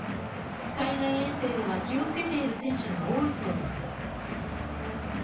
海外遠征では気をつけている選手が多いそうです。